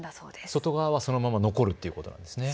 外側はそのまま残るということですね。